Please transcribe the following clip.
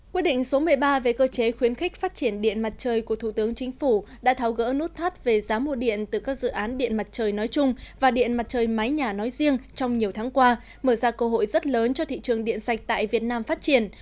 quyết định số một mươi ba về cơ chế khuyến khích phát triển điện mặt trời của thủ tướng chính phủ đã tháo gỡ nút thắt về giá mua điện từ các dự án điện mặt trời nói chung và điện mặt trời mái nhà nói riêng trong nhiều tháng qua mở ra cơ hội rất lớn cho thị trường điện sạch tại việt nam phát triển